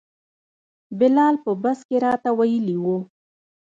بلال په بس کې راته ویلي وو.